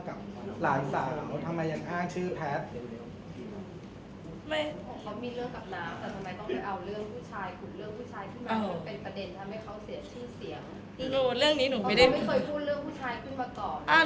เขาไม่เคยพูดเรื่องผู้ชายขึ้นมาก่อน